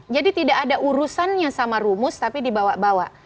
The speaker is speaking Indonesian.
jadi tidak ada urusannya sama rumus tapi dibawa bawa